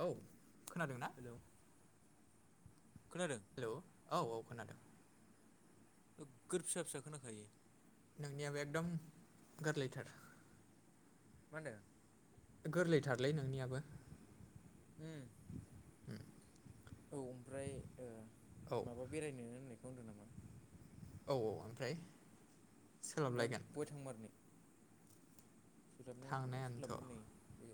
औ खोनादों ना खोनादों हेलौ औ औ खोनादों गोर फिसा फिसा खोनाखायो नोंनियाबो एकदम गोरलैथार मा होनदों गोरलैथारलै नोंनियाबो ओम उम, औ ओमफ्राय औ माबा बेरायनोनो होननायखौ होनदों नामा औ औ ओमफ्राय सोलाबलायगोन थांमारनि सोलाबनायाथ' थांनायानोथ' सोलाबगोन नै बे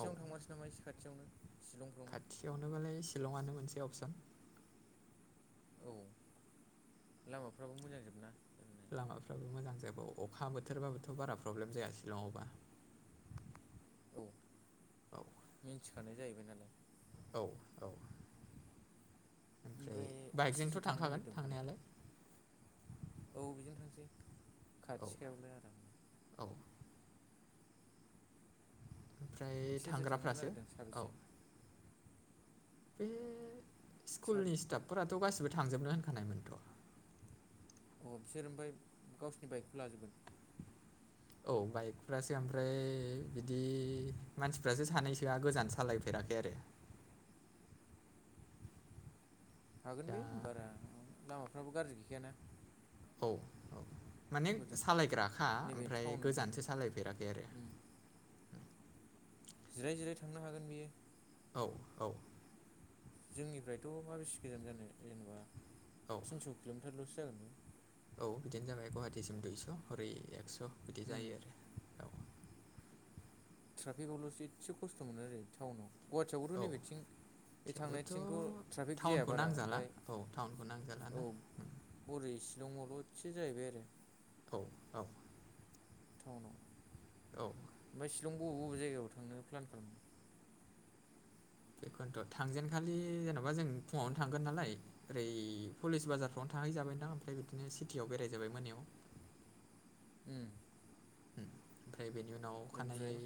औ थांनोसै नामा इसे खाथियावनो शिलंफ्रावनो बेवनोबालाय शिलंआनो मोनसे अपसन औ लामाफ्राबो मोजांजोबना ओरैनो लामाफ्राबो मोजां जाब अखा बोथोरबाबोथ' बारा प्रब्लेम जाया सिलङयावबा औ औ मिन्थिखानाय जाहैबाय नालाय औ औ ओमफ्राय सोर सोर बाइकजोंथ' थांनो थांखागोन नागिरदों फालाय थांनायालाय औ बिजों थांसै औ खाथिखायावलाय आरामनो औ ओमफ्राय सोर सोर थांनो थांग्राफ्रासो नागिरदों औ साबेसे बे साब स्कुलनि स्टाफफोराथ' गासिबो थांजोबनो होनखानायमोनथ' अ बिसोर ओमफ्राय गावसोरनि बाइकखौ लाजोबगोन [unintelligible] औ बाइकफ्रासो ओमफ्राय बिदि मानसिफ्रासो सानैसोआ गोजान सालाय फेराखै आरो हागोन दा बे बारा लामाफ्राबो गाज्रि गैखायाना औ औ माने हजों सालायग्राखा नैबे ओमफ्राय टाउन गोजानसो सालायफेराखै आरो उम जिराय जिराय थांनो हागोन बियो औ औ जोंनिफ्रायथ माबेसि गोजान जानो जेनबा औ तिनस किलमिटारलसो जागोन बेयो औ बिदिनो जाबाय गुवाहाटिसिम दुइस हरै एक्स बिदि उम जायो आरो ट्राफिकआवलसो एसे खस्थ मोनो आरो टाउनाव गुवाहाटियावबोथ औ औ नैबेथिं बे थेवबोथ' थांनायथिंथ ट्राफिक जाया टाउनखौ बारा नांजाला ओमफ्राय औ टाउनखौ नांजालाना औ हरै शिलंआवल एसे जाहैबाय आरो औ औ थाउनाव औ ओमफ्राय शिलं बबे बबे जायगायाव थांनो प्लान खालामदों? बेखोनोथ थांजेनखालि जेनबा जों फुङावनो थांगोन नालाय ओरै पलिस बाजारफ्रावनो थांहैजाबायनोदां ओमफ्राय बिदिनो सिटियाव बेरायजाबाय मोनायाव। उम ओमफ्राय बेनि उनाव बेनिफ्राय अखानायै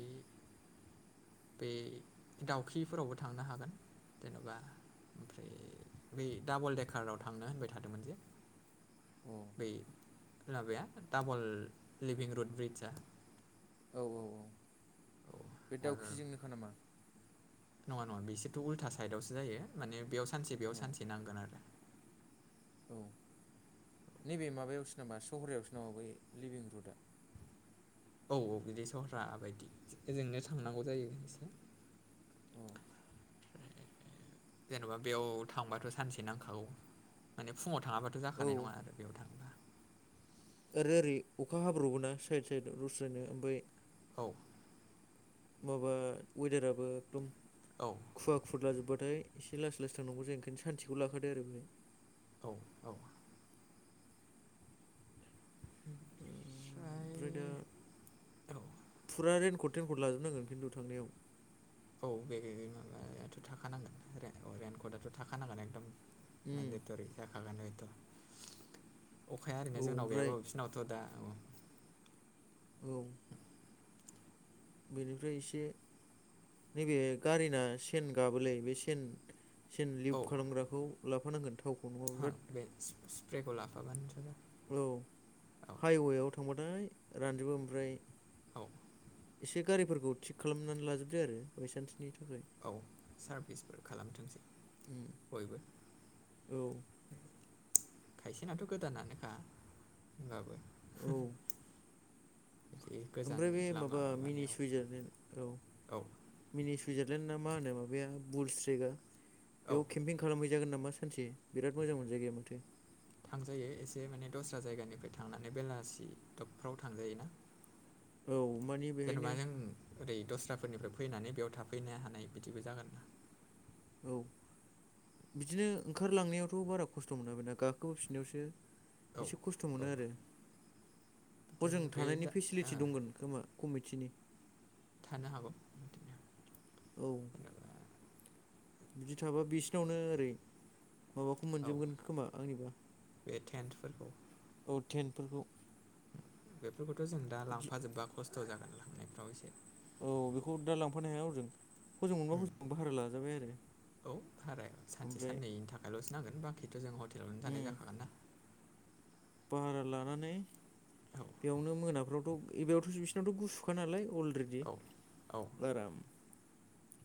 बे दाउखिफोरावबो थांनो हागोन। जेनबा ओमफ्राय बै डाबल देकाराव थांनो होनबाय थादोंमोन जे [inaudible] औ बै माबाया डाबल लिभिं रुड ब्रिजआ औ औ औ औ बे आरो दाउखिजोंनोखा नामा नङा नङा बिसेथ उल्था साइदआवसो जायो माने बेयाव सानसे अ बेयाव सानसे नांगोन आरो औ नैबे माबायावसो नामा सहरायावसो नामा बै लिभिं रुडा औ औ बिदि सहरा बायदि ओजोंनो थांनांगौ जायो एसे उम जेनबा बेयाव थांबाथ सानसे नांखागौ माने फुङाव थाङाबा थ औ जाखानाय नङा आरो बेयाव थाङोब्ला आरो ओरै अखा हाब्रबोना साइद साइदाव दस्रायनो ओमफ्राय औ माबा वेदाराबो एकदम औ खुव खुुदलाजोबबाथाय एसे लासै लासै थांनांगौ जायो ओंखायनो सानसेखौ लाखादो आरो बेहाय औ औ ओमफ्राय दा औ फुरा रैन कट तेंकद लाजोबनांगोन खिन्थु थांनायाव औ बे माबायाथ थाखानांगोन रेन‌ कदाथ थाखानांगोन एकदम उम मानदेतरि जाखागोन बेथ अखाया ओरैनो औ जोंनाव ओमफ्राय गैयाबाबो बि नावथ दा औ औ बेनिफ्राय एसे नैबे गारिना सेन गाबोलै बे सेन सिन लिप खालामग्राखौ लाफानांगोन थाव हा बे सिप्रेखौ लाफाबानो जाबाय औ औ हाइवेआव थांबाथाय रानजोबो ओमफ्राय औ एसे गारिफोरखौ थिग खालामनानै लाजोबदो आरो बायसान्सनि थाखाय औ सारभिसफोर खालामथोंसै उम बयबो औ खायसेनाथ गोदानानोखा होमबाबो औ [inaudible] ओ ओमफ्राय बे लामा माबा मिनि माबानायाव सुइजारलेणड औ। मिनि सुइजारलेण्डना मा होनो माबाया बुल स्रेगआ औ बेयाव केम्पिंनि खालामहैजागोन नामा सानसे बिराद मोजां मोनजाय गैया माथो थांजायो एसे माने दस्रा-जायगानिफ्राय थांनानै बेलासि फ्राव थांजायो ना। औ मानि बेहायनो जेनेबा जों ओरै दस्राफोरनिफ्राय फैनानै बेयाव थाफैनो हानाय बिदिबो जागोन। औ बिदिनो ओंखारलांनायावथ' बारा खस्थ' मोना बे गाखोबोफिनायावसोओ औ एसे खस्थ' औ मोनो आरो हजों बिदिनो बे थानायनि दा ओ फेसिलिटि दंगोन। खोमा कमिटिनिओ थानो हागौ। औ जेनेबा बिदि थाबा बिसिनावनो ओरैहा माबाखौ औ मोनजोबगोन खोमा आंनिबाओ बे टेन्टफोरखौ। औ ट्रेनफोरखौओ बेफोरखौथ' जों दा लांफाजोबबा खस्थ' जागोन लांनायफ्राव एसे औ बेखौ दा लांफानो हाया हजोंओ हजों मोनबा उम हजों भाहारा लाजाबाय आरो ओमफ्राय ल'सो नांगोन बाखिथ' जों उम हटेलावनो जाखागोन ना भारा लानानै औ बेयावनो मोनाफ्रावथ' बेबयावथ' यावथ' गुसुखा नालाय अलरेडि औ औ आराम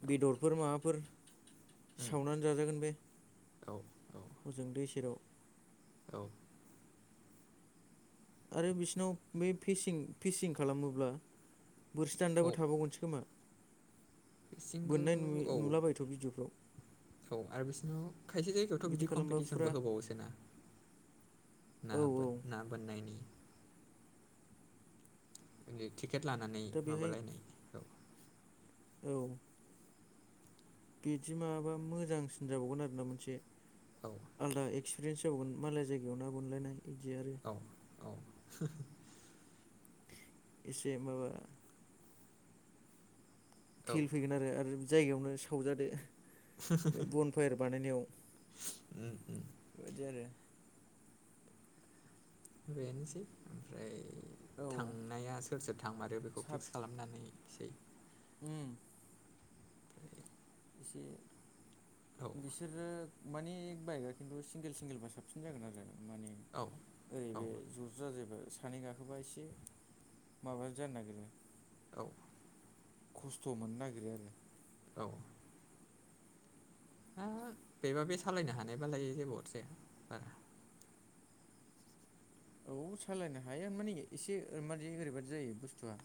औ बेदरफोर माबाफोरो उम सावनानै जाजागोन बे औ औ होजों दै सेराव औ। आरो बिसिनाव बे फिसिं फिसिं खालामोब्ला बोरसि औ दान्दाबो थाबावगनोसो खोमा बिसिंखौ बोननाय नुयो औ नुलाबायथ' भिडअफ्रावो औ आरो बिसिनाव खायसे जायगायावथ' बिदि खालामबा फुरा कम्पिटिसनबो होबावोसोना औ ओ ना बोननायनि ओ बिदि टिकेट लानानै दा बेहाय माबालायनाय औ औ। बिदि माबा मोजांसिन जाबावगोन आरो ना मोनसे औ आलदायै एक्सपिरियेन्स जाबावगोन मालाय जायगायाव ना बोनलायनाय इदि आरोओ औ औ। एसे ओ औ फिल फैगोन आरो जायगायावनो सावजादोओ बे बनफायार बानायनायाव उम उम बेबायदि आरोना बेनोसै ओमफ्रायो औ थांनाया सोर सोर थांमारो बेखौ साब फिक्स खालामनानै सैयो [unintelligible] एसे औ बिसोरो माने ओ बाइकआ खिन्थु सिंगोल सिंगोलबा साबसिन जागोन आरो माने औ। ओरै औ बे ज ज जाजायबा सानै गाखोबा एसे माबा जानो नागिरोओ औ खस्थ' मोननो नागिरो आरो। औ बेबा बे सालायनो हानायबालाय जेबो अरजाया बारा औ सालायनो हायो माने एसे ओरादि ओरैबादि जायोओ बुस्थुआ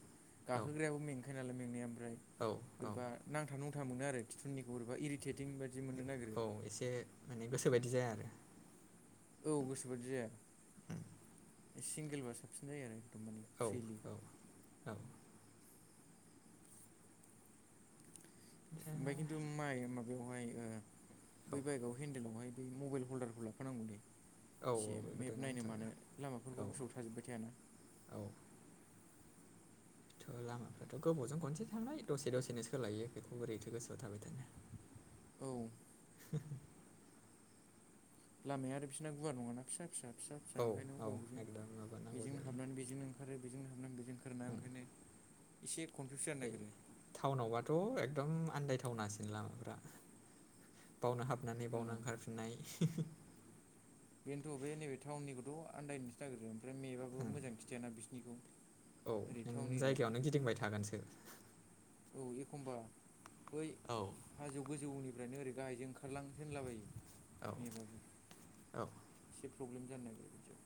औ गाखोग्रायाबो में खायोनालाय मेंनाया ओमफ्राय औ औ बोरैबा नांथा नुंथा मोनो आरो खिथु उननिखौ बोरैबा इरिटेटिं बायदि मोननो नागिरो। औ एसे माने गोसो बायदि जाया आरो। औ गोसोबादि जाया सिंगेलबा साबसिन जायो आरो एकदम मानि औ फ्रिलि। औ औ [unintelligible] ओमफाय खिन्थु माइ माबायावहाय बै बाइकाव हेन्देलावहाय दै मबाइल हल्दारखौ लाफानांगौ दैै औ एसे बेखौथ' मेप नायनो मानो नांथारगौ औ लामाफोरखौ गोसोआव था। थाजोबबाय थानोया ना। औ थ' लामाफ्राथ' गोबावजों खनसे थांनाय दसे दसेनो सोलायो बेखौ बोरैथो गोसोआव थाबाय थानो? औ लामाया आरो बिसिना गुवार नङाना फिसा फिसा फिसा फिसा औ ओंखायनो औ बबेजों एकदम माबानांगौ बेजोंनो जायो हाबनानै बेजोंनो ओंखारो बेजों हाबना बेजों ओंखारोना उम ओंखायनो इसे कनफिउस जानो ओरै नागिरो। टाउनावबाथ' एकदम आन्दायथावनासिन लामाफ्रा बावनो हाबनानै औ बावनो ओंखारफिननाय बेनोथ बे नैबे थाउननिखौथ आन्दायनोसो नागिरो। ओमफ्राय मेबाबो ओं मोजां खिथाना बिसिनिखौ औ ओरै नों टाउन जायगायावनो एरियायाव गिदिंबाय थागोनसो। औ एखमबा बै औ हाजो गोजौनिफ्रायनो ओरै गाहायजों ओंखारलांसो होनलाबायो औ मेबाबो। औ एसे प्रब्लेम जानो नागिरो बिदियाव।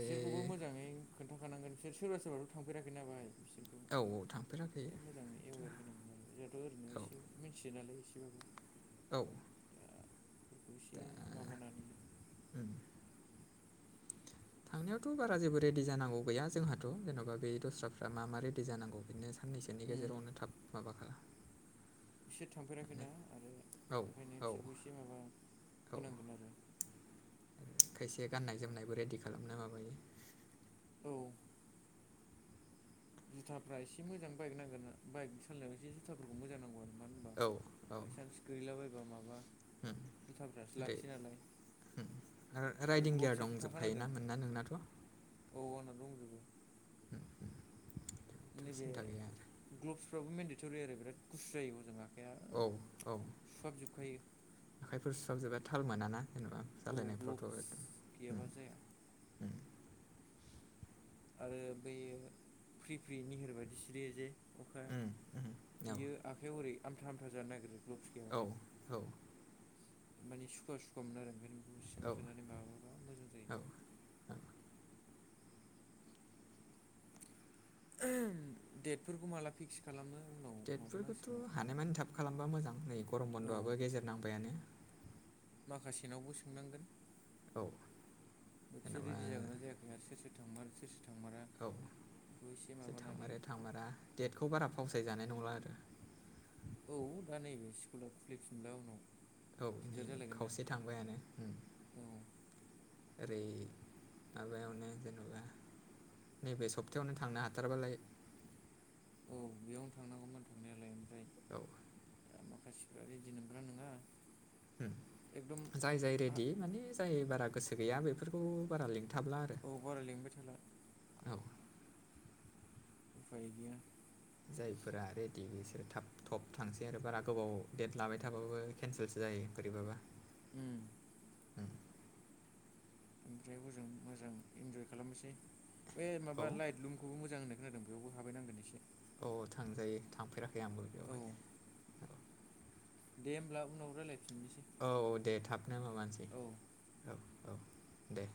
बिसोरखौबो मोजाङै खोन्थाखानांगोन बिसोर सोरबा सोरबाथ थांफेराखै नाबाय। औ औ थांफेराखै। एवेर होनांगोन आरो जोंहाथ ओरैनो औ एसे मिथियो नालाय एसेबाबो। औ फोरखौ एसे माबानानै उम थांनायावथ' बारा जेबो रेदि जानांगौ गैया जोंहाथ जेनबा बे दस्राफ्रा मा मा रेदि जांगौ बेनो। साननैसोनि उम गेजेरावनो थाब माबा खालामला। बिसोर थांफेराखैना आरो औ ओंखायनो औ बिसोरखौ एसे माबा औ होनांगोन आरो। खायसे गाननाय जोमनायबो रेडि खालामना माबायो। औ जुथाफ्रा एसे मोजां बाइक नांगोना बाइक सालनायाव एसे जुथाफोरखौ मोजां नांगौ आरो। मानोहोनबा औ औ बायसान्स गैलैला बयबा माबा जुथाफ्रासो लाखियो नालाय। आरो राइदिं गियार ग्लब्सआथ' थाखानांगोन दंजोबखायोना नोंना नोंनाथ? औ आंना दंजोबो नैबे सिन्था गैया ग्लबसफ्राबो मेन्डेटरि आरो बिराद गुसु जायो मोदोमा। औ औ आखाइफोर सुहाब जोबबा थाल मोनाना जेनेबा जालायनायफ्रावथ एदम गैयाब्ला जाया आरो बै फ्रि फ्रि निहोर बाददि सिरियोजे अखा उम उम औ बियो आखाइयाव हओरै आमथा आमथा जानो नागिरो ग्लब्स गै औ औ माने सुखुवा सुखुवा मोन आरो ओंखायनो बेखौ औ सिङाव सोनानै माबाबा मोजां जायो। औ डेटफोरखौ माला फिक्स खालामो उनाव डेटफोरखौथ' माबानांसिगोन बेखौ हानायमानि थाब खालामबा मोजां नै गरम औ बन्दआबो गेजेर नांबायानो। माखासेनावबो सोंनांगोन औ बिसोर जेन'बा रेडि जागोनना जायाखै आरो सोर सोर थांगोन सोर सोर थांमारा औ बेखौ एसे माबानानै थांमारो थांमारा डेटखौ बारा फावसाय जानाय नंला आरो। औ दा नैबे स्कुला खुलिफिनबा उनाव औ नै दिगदार जालायगोन ना खावसे थांबायानो। औ ओरै माबायावनो जेनबा नैबे सप्तायावनो थांनो हाथारबालाय औ बेयावनो थांनांगौमोन थांनायालाय ओमफ्राय औ दा माखासेफ्रा रेडि नंगौना नङा एकदम जाय जाय रेडि माने जाय बारा गोसो गैया बेफोरखौ बारा लिंथाबला आरो औ बारा लिंबाय थाला औ उफाय गैया जायफोरा रेडि बिसोरो थाब थब थांसै आरो बारा गोबाव देद लाबाय थाबाबो केनसेलसो जायो बोरैबाबा उम उम, ओमफ्राय हजों मोजां इन्जय खालामनोसै बे औ माबा लाइटलुम खौबो मोजां होननाय खोनादों बेयावबो हाबहैनांगोन एसे औ थांजायो थांफेराखै आं औ दे होमब्ला उनाव रायज्लायफिननोसै औ दे थाबनो माबानोसै औ औ दे